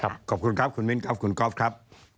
ขอบคุณครับคุณมิ้นครับคุณก๊อฟครับ